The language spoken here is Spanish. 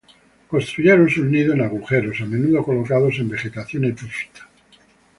Construyen sus nidos en agujeros, a menudo colocados en vegetación epífita.